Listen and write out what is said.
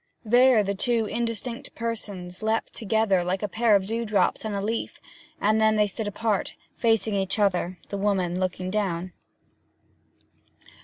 There the two indistinct persons leapt together like a pair of dewdrops on a leaf; and then they stood apart, facing each other, the woman looking down.